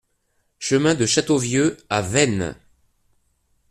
Chemin de Châteauvieux à Veynes